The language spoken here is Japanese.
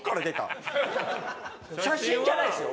写真じゃないですよ。